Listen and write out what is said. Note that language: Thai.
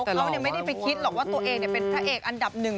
เขาไม่ได้ไปคิดหรอกว่าตัวเองเป็นพระเอกอันดับหนึ่ง